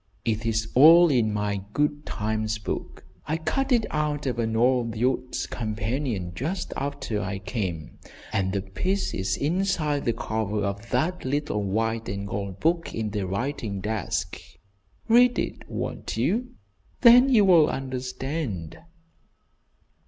"It is all in my 'Good times book.' I cut it out of an old Youth's Companion, just after I came, and the piece is inside the cover of that little white and gold book in the writing desk. Read it, won't you? Then you will understand."